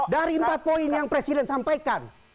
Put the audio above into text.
dari empat poin yang presiden sampaikan